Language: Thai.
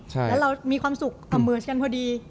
แล้วเรามีความสุขอำเนิดกันพอดี